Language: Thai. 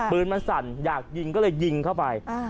ปืนมันสั่นอยากยิงก็เลยยิงเข้าไป